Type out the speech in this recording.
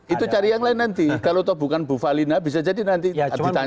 itu cari yang lain nanti kalau bukan bu falina bisa jadi nanti ditanya